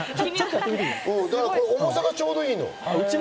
重さがちょうどいいの。